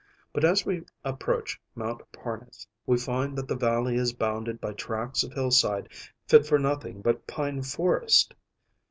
But as we approach Mount Parnes, we find that the valley is bounded by tracts of hillside fit for nothing but pine forest.